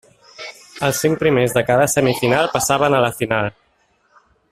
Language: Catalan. Els cinc primers de cada semifinal passaven a la final.